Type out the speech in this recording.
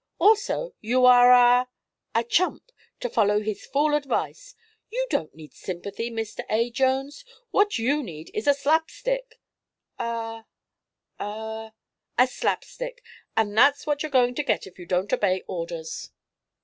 "Also you are a a chump, to follow his fool advice. You don't need sympathy, Mr. A. Jones. What you need is a slapstick." "A a " "A slapstick. And that's what you're going to get if you don't obey orders."